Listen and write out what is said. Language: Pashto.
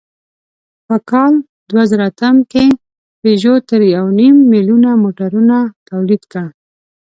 په کال دوهزرهاتم کې پيژو تر یونیم میلیونه موټرونه تولید کړل.